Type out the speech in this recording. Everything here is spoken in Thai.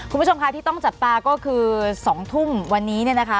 คุณผู้ชมค่ะที่ต้องจับตาก็คือ๒ทุ่มวันนี้เนี่ยนะคะ